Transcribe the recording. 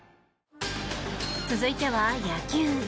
続いては野球。